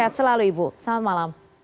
sehat selalu ibu selamat malam